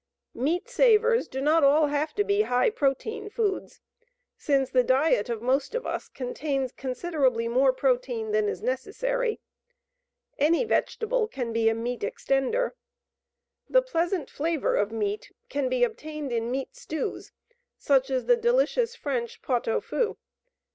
Meat savers do not all have to be high protein foods, since the diet of most of us contains considerably more protein than is necessary. Any vegetable can be a "meat extender." The pleasant flavor of meat can be obtained in meat stews, such as the delicious French "pot au feu."